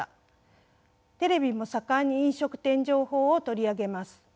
テレビも盛んに飲食店情報を取り上げます。